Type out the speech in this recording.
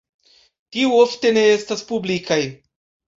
Tiuj ofte ne estas publikaj.